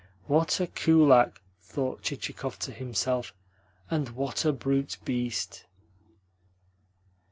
"What a kulak!" thought Chichikov to himself. "And what a brute beast!"